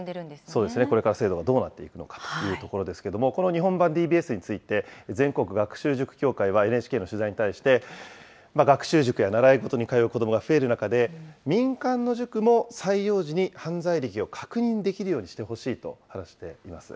そうですね、これから制度がどうなっていくのかというところですけれども、この日本版ＤＢＳについて、全国学習塾協会はＮＨＫの取材に対して、学習塾や習い事に通う子どもが増える中で、民間の塾も採用時に犯罪歴を確認できるようにしてほしいと話しています。